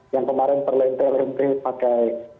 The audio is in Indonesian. yang kemarin perlenteh lenteh pakai